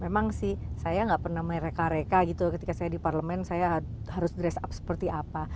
memang sih saya nggak pernah mereka reka gitu ketika saya di parlemen saya harus dress up seperti apa